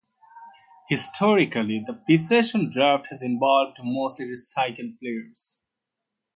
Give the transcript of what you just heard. Historically, the pre-season draft has involved mostly recycled players.